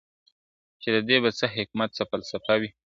چي د دې به څه حکمت، څه فلسفه وي `